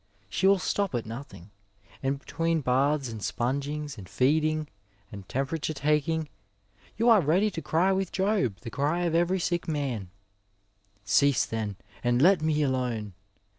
She will stop at nothing, and between baths and sponging? and feeding and temperatuie taking you aie leadj to cry with Job the cry of every sick man —" Cease then, and let me alone.